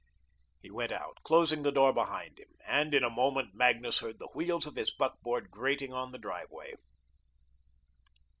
He went out, closing the door behind him, and in a moment, Magnus heard the wheels of his buckboard grating on the driveway.